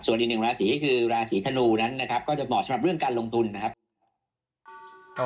ส่วนอีกหนึ่งราศีก็คือราศีธนูนั้นนะครับก็จะเหมาะสำหรับเรื่องการลงทุนนะครับ